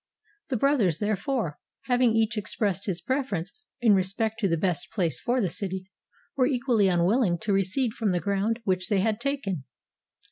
The brothers, therefore, having each expressed his preference in respect to the best place for the city, were equally unwilling to recede from the ground which they had taken.